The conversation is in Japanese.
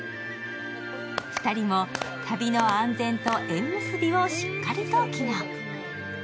２人も旅の安全と縁結びをしっかりと祈願。